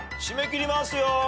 締め切りますよ。